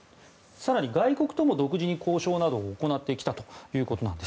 更に、外国とも独自に交渉などを行ってきたということなんです。